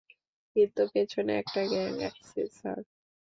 কিন্তু পেছনে একটা গ্যাং আসছে, স্যার।